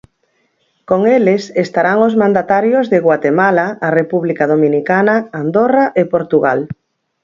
Con eles estarán os mandatarios de Guatemala, a República Dominicana, Andorra e Portugal.